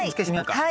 はい。